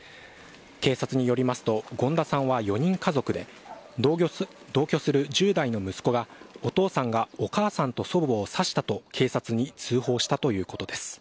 警察によりますと権田さんは４人家族で同居する１０代の息子がお父さんがお母さんと祖母を刺したと警察に通報したということです。